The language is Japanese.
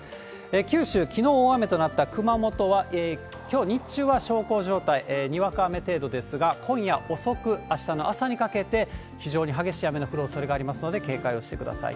九州、きのう大雨となった熊本は、きょう日中は小康状態、にわか雨程度ですが、今夜遅く、あしたの朝にかけて、非常に激しい雨の降るおそれがありますので、警戒をしてください。